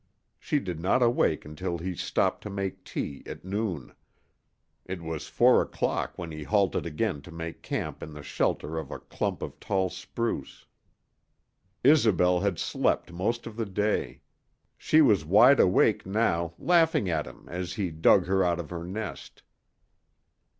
She did not awake until he stopped to make tea at noon. It was four o'clock when he halted again to make camp in the shelter of a clump of tall spruce. Isobel had slept most of the day. She was wide awake now, laughing at him as he dug her out of her nest.